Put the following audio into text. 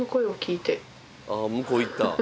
向こう行った。